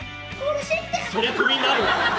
そりゃクビになるわ。